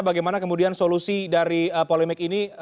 bagaimana kemudian solusi dari polemik ini